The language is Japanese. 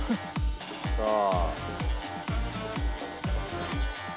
さあ。